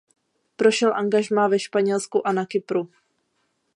Prošel angažmá ve Španělsku a na Kypru.